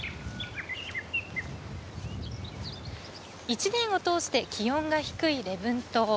一年を通して気温が低い礼文島。